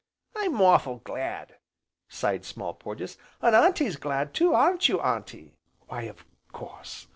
"I'm awful' glad!" sighed Small Porges, "an' Auntie's glad too, aren't you Auntie?" "Why of course!"